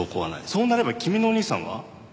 そうなれば君のお兄さんは？